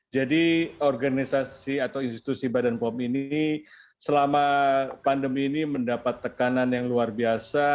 organisasi atau institusi badan pom ini selama pandemi ini mendapat tekanan yang luar biasa